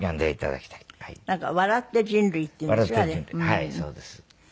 はいそうです。